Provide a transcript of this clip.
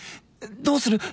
どうする？